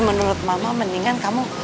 menurut mama mendingan kamu